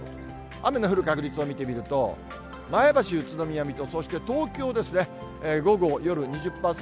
雨の降る確率を見てみると、前橋、宇都宮、水戸、そして東京ですね、午後、夜２０％。